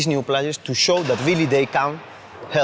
กลับมาเป็นพลังในวิทยาลัยศาสตรี